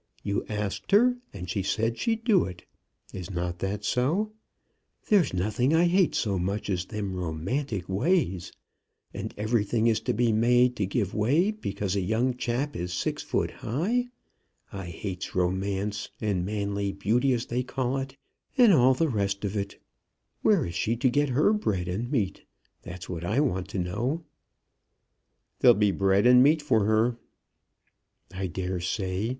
You asked her, and she said she'd do it. Is not that so? There's nothing I hate so much as them romantic ways. And everything is to be made to give way because a young chap is six foot high! I hates romance and manly beauty, as they call it, and all the rest of it. Where is she to get her bread and meat? That's what I want to know." "There'll be bread and meat for her." "I dare say.